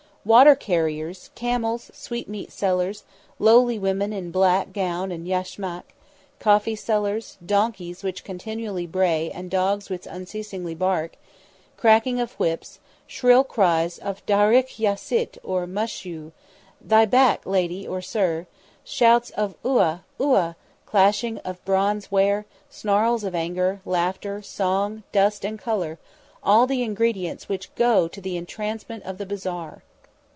Water carriers, camels, sweetmeat sellers; lowly women in black gown and yashmak; coffee sellers; donkeys which continually bray and dogs which unceasingly bark; cracking of whips; shrill cries of "Dahrik ya sitt or musyu," ("Thy back, lady, or sir"); shouts of U'a u'a; clashing of bronze ware; snarls of anger; laughter; song; dust and colour, all the ingredients which go to the entrancement of the bazaar.